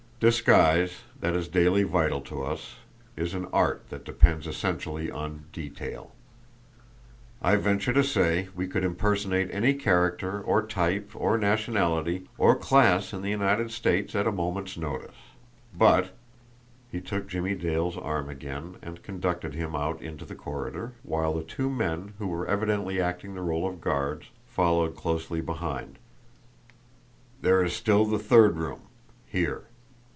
Disguise, that is daily vital to us, is an art that depends essentially on detail. I venture to say we could impersonate any character or type or nationality or class in the United States at a moment's notice. But" he took Jimmie Dale's arm again and conducted him out into the corridor, while the two men who were evidently acting the role of guards followed closely behind "there is still the third room here."